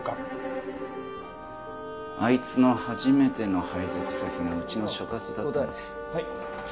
あいつの初めての配属先がうちの所轄だったんです。